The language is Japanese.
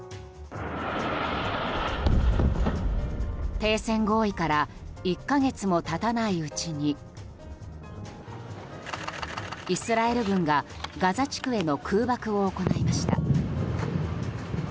停戦合意から１か月も経たないうちにイスラエル軍がガザ地区への空爆を行いました。